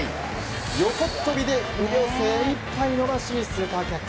横っ飛びで腕を精いっぱい伸ばしスーパーキャッチ。